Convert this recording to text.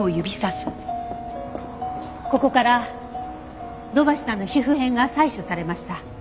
ここから土橋さんの皮膚片が採取されました。